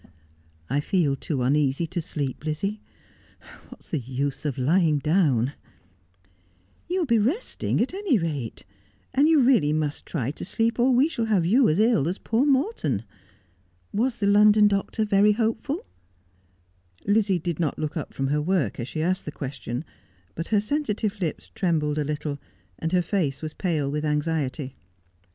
' I feel too uneasy to sleep, Lizzie. What is the use of lying down 1 '' You will be resting, at any rate. And you really must try to sleep, or we shall have you as ill as poor Morton. Was the London doctor very hopeful 1 ' Lizzie did not look up from her work as she asked the question, but her sensitive lips trembled a little, and her face was pale with anxiety.